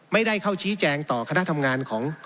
ไม่ได้เข้าชี้แจงต่อคณะทำงานของ